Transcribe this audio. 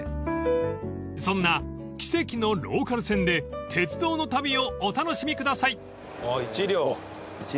［そんな奇跡のローカル線で鉄道の旅をお楽しみください］